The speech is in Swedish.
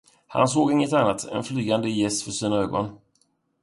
Han såg inget annat än flygande gäss för sina ögon.